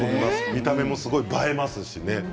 見た目も映えますしね。